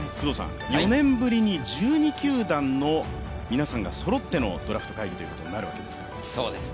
４年ぶりに、１２球団の皆さんがそろってのドラフト会議ということになるわけですが。